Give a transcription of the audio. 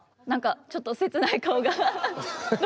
何かちょっと切ない顔が。